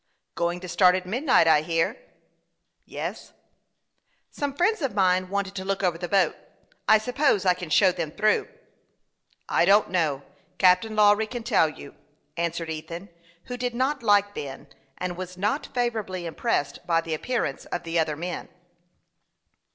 " Going to start at midnight, I hear." " Yes." " Some friends of mine wanted to look over the boat ; I suppose I can show them through." " I don't know ; Captain Lawry can tell you," answered Ethan, who did not like Ben, and was not favorably impressed by the appearance of the other men.